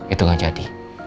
itu nggak jadi